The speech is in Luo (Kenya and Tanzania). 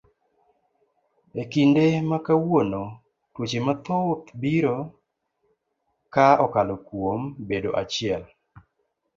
E kinde makawuono tuoche mathoth biro ka okalo kuom bedo e achiel.